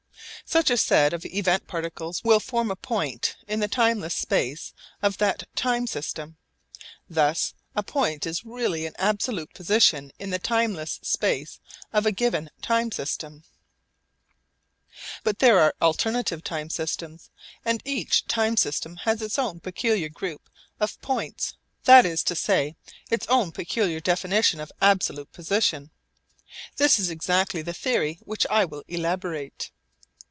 Such a set of event particles will form a point in the timeless space of that time system. Thus a point is really an absolute position in the timeless space of a given time system. But there are alternative time systems, and each time system has its own peculiar group of points that is to say, its own peculiar definition of absolute position. This is exactly the theory which I will elaborate.